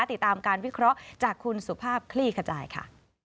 ติดตามการวิเคราะห์จากคุณสุภาพคลี่ขจายค่ะ